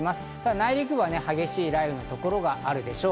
内陸部は激しい雷雨の所があるでしょう。